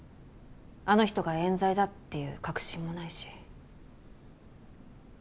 あの人が冤罪だっていう確信もないし。